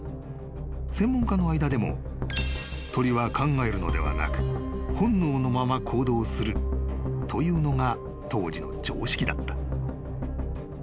［専門家の間でも鳥は考えるのではなく本能のまま行動するというのが当時の常識だった］